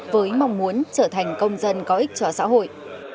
với mong muốn trở thành công dân có ích cho xã hội